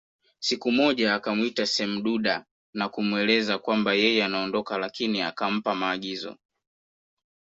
Siku moja akamwita semduda na kumweleza kwamba yeye anaondoka lakini akampa maagizo